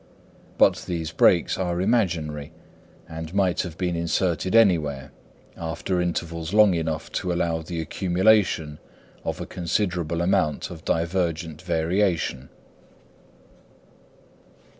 But these breaks are imaginary, and might have been inserted anywhere, after intervals long enough to allow the accumulation of a considerable amount of divergent variation.